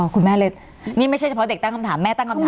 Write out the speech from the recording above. คุณแม่เล็กนี่ไม่ใช่เฉพาะเด็กตั้งคำถามแม่ตั้งคำถาม